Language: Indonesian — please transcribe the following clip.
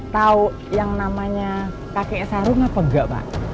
tahu yang namanya kakek sarung apa enggak pak